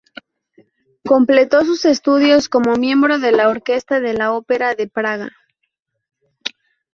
Completó sus estudios como miembro de la Orquesta de la Ópera de Praga.